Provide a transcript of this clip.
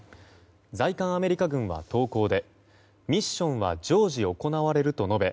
在韓アメリカ軍は投稿でミッションは常時行われると述べ